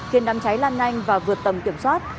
khiến đám cháy lan nhanh và vượt tầm kiểm soát